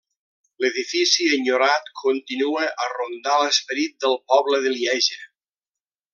L'edifici enyorat continua a rondar l'esperit del poble de Lieja.